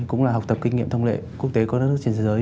cũng là học tập kinh nghiệm thông lệ quốc tế các nước trên thế giới